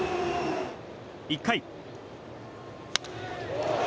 １回。